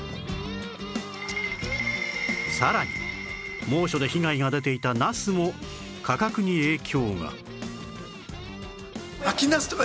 さらに猛暑で被害が出ていたなすも価格に影響が